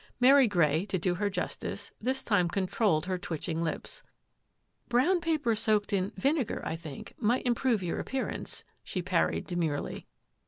Mary Grey, to do her justice, this time controlled her twitching lips. " Brown paper soaked in — vinegar, I think, might improve your appearance," she parried demurely.